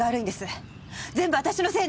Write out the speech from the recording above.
全部私のせいなんです！